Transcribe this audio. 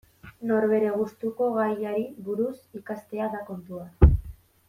Norbere gustuko gaiari buruz ikastea da kontua.